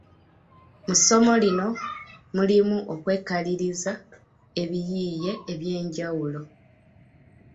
Mu ssomo lino mulimu okwekaliriza ebiyiiye eby’enjawulo.